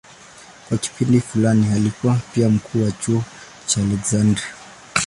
Kwa kipindi fulani alikuwa pia mkuu wa chuo cha Aleksandria.